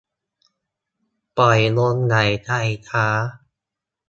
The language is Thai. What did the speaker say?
ปล่อยลมหายใจช้า